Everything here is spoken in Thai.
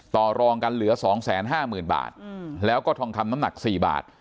ต่อรองกันเหลือ๒๕๐๐๐บาทแล้วก็ทองคำน้ำหนัก๔บาท